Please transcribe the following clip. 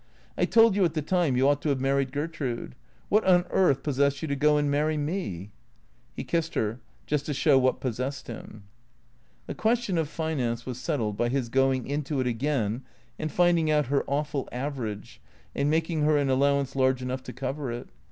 I told you at the time you ought to have married Gertrude. What on earth possessed you to go and marry me ?" He kissed her, just to show what possessed him. The question of finance was settled by his going into it again and finding out her awful average and making her an allow ance large enough to cover it.